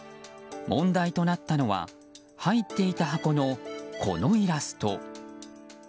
問題となったのは入っていた箱のこのイラスト。